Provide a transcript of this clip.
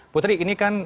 putri ini kan